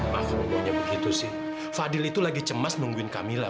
makanya pokoknya begitu sih fadil itu lagi cemas nungguin kamila